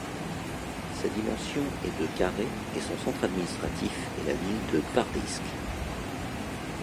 Sa dimension est de carrés et son centre administratif est la ville de Gvardeïsk.